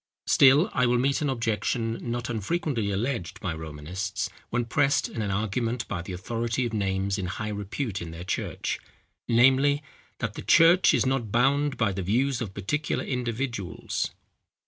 Still I will meet an objection not unfrequently alleged by Romanists, when pressed in an argument by the authority of names in high repute in their church, namely, that "the church is not bound by the views of particular individuals."